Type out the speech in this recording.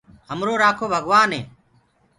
همرو رآکو ڀگوآن هي۔